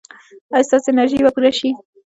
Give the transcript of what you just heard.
ایا ستاسو انرژي به پوره شي؟